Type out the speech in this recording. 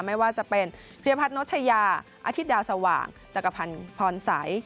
ไม่ว่าจะเป็นพิรพัฒนชายาอาทิตย์ดาวสว่างจักรพันธ์พรสัย